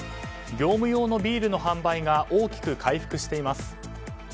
業務用のビールの販売が大きく回復しています。